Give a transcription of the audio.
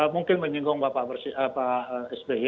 mungkin menyinggung pak s b